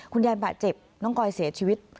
คุณยายบาดเจ็บน้องกอยเสียชีวิต